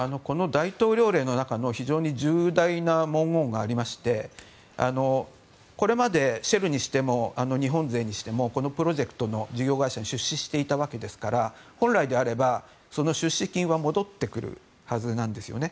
大統領令の中の非常に重大な文言がありましてこれまでシェルにしても日本勢にしてもこのプロジェクトの事業会社に出資していたわけですから本来であれば、その出資金は戻ってくるはずなんです。